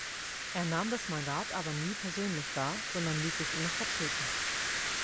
Er nahm das Mandat aber nie persönlich wahr, sondern ließ sich immer vertreten.